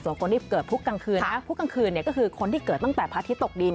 ส่วนคนที่เกิดพุธกลางคืนนะพุธกลางคืนเนี่ยก็คือคนที่เกิดตั้งแต่พระอาทิตย์ตกดิน